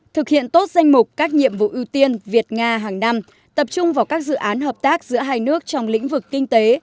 thực hiện tốt danh mục các nhiệm vụ ưu tiên việt nga hàng năm tập trung vào các dự án hợp tác giữa hai nước trong lĩnh vực kinh tế